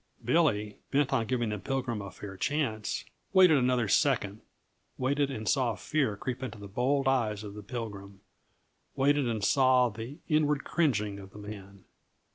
Billy, bent on giving the Pilgrim a fair chance, waited another second; waited and saw fear creep into the bold eyes of the Pilgrim; waited and saw the inward cringing of the man.